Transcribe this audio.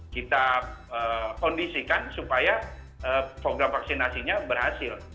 kita kondisikan supaya program vaksinasinya berhasil